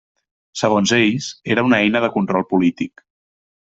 Segons ells, era una eina de control polític.